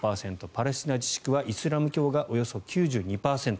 パレスチナ自治区はイスラム教がおよそ９２％。